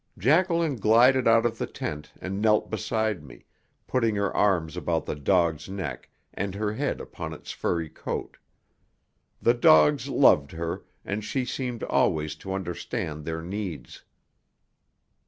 Jacqueline glided out of the tent and knelt beside me, putting her arms about the dog's neck and her head upon its furry coat. The dogs loved her, and she seemed always to understand their needs.